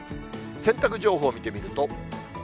洗濯情報を見てみると。